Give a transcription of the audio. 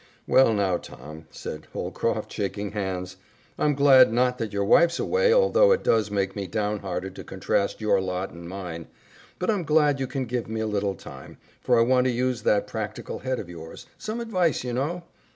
"Well, now, Tom," said Holcroft, shaking hands, "I'm glad, not that your wife's away, although it does make me downhearted to contrast your lot and mine, but I'm glad you can give me a little time, for I want to use that practical head of yours some advice, you know."